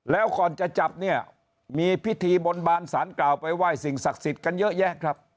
แล้วก่อนจะจับเนี่ยมีพิธีบนบานสารกล่าวไปไหว้สิ่งศักดิ์สิทธิ์กันเยอะแยะครับ